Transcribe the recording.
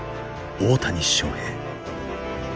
大谷翔平。